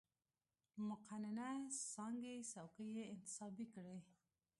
مقننه څانګې څوکۍ یې انتصابي کړې.